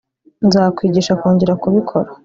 Nzakwigisha kongera kubikora